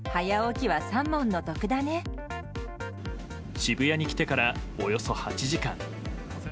渋谷に来てからおよそ８時間。